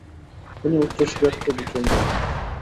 তিনি উচ্চশিক্ষার্থে ব্রিটেন যান।